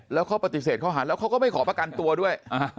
แล้วเขาปฏิเสธข้อหาแล้วเขาก็ไม่ขอประกันตัวด้วย